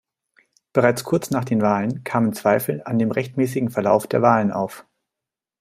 Bereits kurz nach den Wahlen kamen Zweifel an dem rechtmäßigen Verlauf der Wahlen auf.